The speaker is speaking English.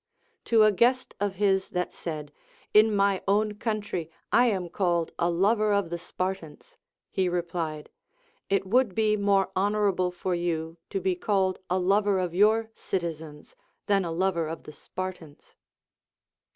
To a guest of his that said, In my own country I am called a lover of the Spartans, he replied. It would be more honorable for you to be called a lover of your citizens than a lover of the Spartans.